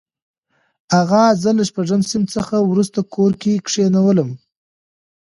اغا زه له شپږم صنف څخه وروسته کور کې کښېنولم.